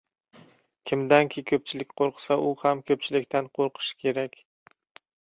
Kimdanki ko‘pchilik qo‘rqsa, u ham ko‘pchilikdan qo‘rqishi kerak.